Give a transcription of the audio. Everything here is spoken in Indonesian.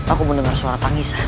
aku mendengar suara tangisan